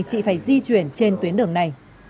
chỉ phải di chuyển trên tuyến đường này